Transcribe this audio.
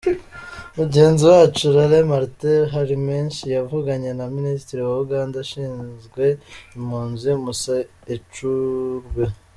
Mugenzi wacu Laurent Martin Harimenshi yavuganye na Ministre wa Uganda ashinzwe impunzi, Musa Ecweru.